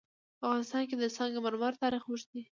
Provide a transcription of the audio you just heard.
په افغانستان کې د سنگ مرمر تاریخ اوږد دی.